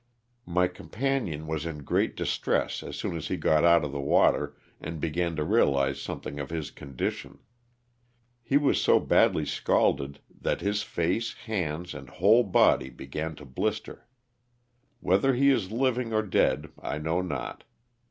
My companion was in great distress as soon as he got out of the water and began to realize something of his condition. He was so badly scalded that his face, hands and whole body began to blister. Whether he is living or dead I know not.